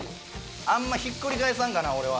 あんまひっくり返さんかな俺は。